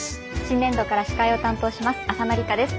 新年度から司会を担当します浅野里香です。